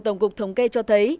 tổng cục thống kê cho thấy